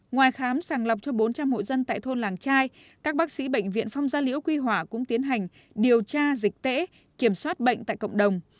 ngoài khám sàng lọc cho bốn trăm linh hộ dân tại thôn làng trai các bác sĩ bệnh viện phong gia liễu quy hỏa cũng tiến hành điều tra dịch tễ kiểm soát bệnh tại cộng đồng